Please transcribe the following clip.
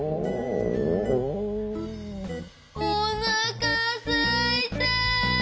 おなかすいた！